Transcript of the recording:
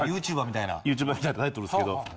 ＹｏｕＴｕｂｅｒみたいなタイトルですけど。